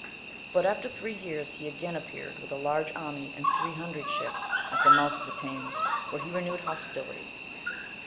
20. But after three years he again appeared with a large army, and three hundred ships, at the mouth of the Thames, where he renewed hostilities.